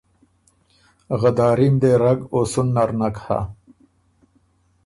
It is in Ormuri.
غداري م دې رګ او سُن نر نک هۀ۔